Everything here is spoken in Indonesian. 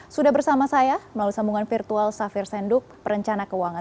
sudah bersama saya melalui sambungan virtual safir senduk perencana keuangan